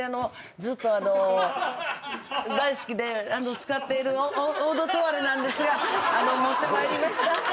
ずっと大好きで使っているオードトワレなんですが持ってまいりました。